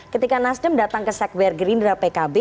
ketika nasdem datang ke sekwergerindra pkb